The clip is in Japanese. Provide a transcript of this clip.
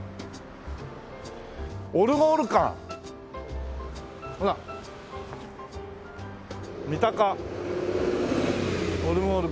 「オルゴール館」ほら「ミタカ・オルゴール館」。